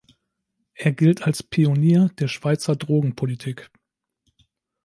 Er gilt als Pionier der Schweizer Drogenpolitik.